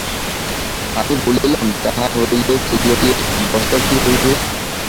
আমি বলিলাম, তাহা হইলে ছেলেটির দশা কী হইবে।